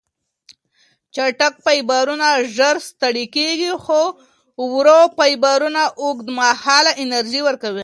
چټک فایبرونه ژر ستړې کېږي، خو ورو فایبرونه اوږدمهاله انرژي ورکوي.